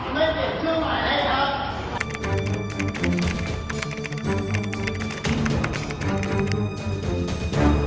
มันหน้าตัว